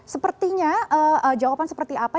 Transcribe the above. sepertinya jawaban seperti apa